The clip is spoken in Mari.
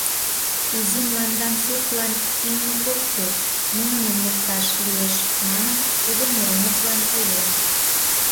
Изи мландан суртлан имне ок кӱл, нуныным лукташ лиеш, — манын, тудо Мироновлан ойлен.